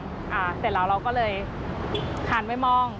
เสร็จแล้วเราก็เลยห่านไปมอง